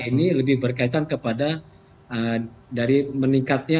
ini lebih berkaitan kepada dari meningkatnya